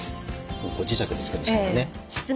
磁石で付くんですけどね。